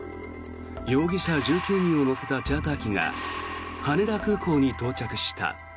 容疑者１９人を乗せたチャーター機が羽田空港に到着した。